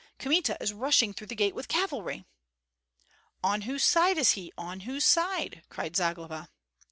Kmita is rushing through the gate with cavalry!" "On whose side is he, on whose side?" cried Zagloba.